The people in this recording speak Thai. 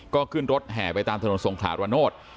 ก็ขึ้นรถแห่ไปตามถนนสงขลาระโนธ